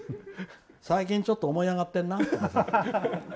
最近ちょっと思い上がってるなって。